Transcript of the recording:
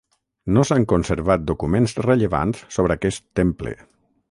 No s'han conservat documents rellevants sobre aquest temple.